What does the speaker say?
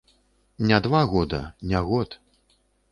Не два года, не год.